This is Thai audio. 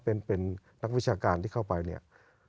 เป็นนักวิชาการที่เข้าไปเนี่ย